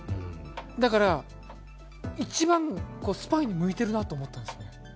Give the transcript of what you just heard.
だから一番スパイに向いてるなと思ったんですよ。